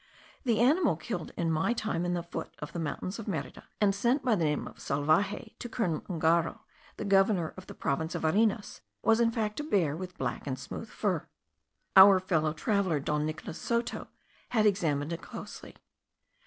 The animal killed in my time at the foot of the mountains of Merida, and sent, by the name of salvaje, to Colonel Ungaro, the governor of the province of Varinas, was in fact a bear with black and smooth fur. Our fellow traveller, Don Nicolas Soto, had examined it closely.